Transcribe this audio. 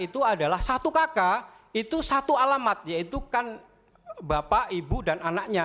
itu adalah satu kakak itu satu alamat yaitu kan bapak ibu dan anaknya